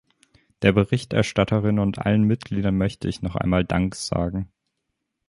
Der Berichterstatterin und allen Mitgliedern möchte ich noch einmal Dank sagen.